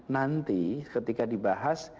nanti ketika dibahas